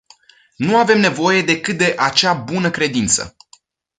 Nu avem nevoie decât de acea bună-credință.